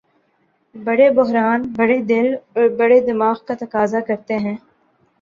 بڑے بحران بڑے دل اور بڑے دماغ کا تقاضا کرتے ہیں۔